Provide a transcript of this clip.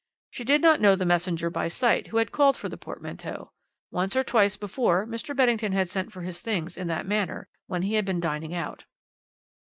She did not know the messenger by sight who had called for the portmanteau. Once or twice before Mr. Beddingfield had sent for his things in that manner when he had been dining out.